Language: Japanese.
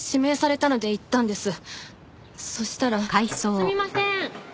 すみません。